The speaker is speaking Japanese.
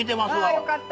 よかった。